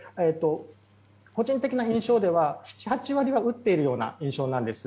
個人的な印象では７８割は打っているような印象なんです。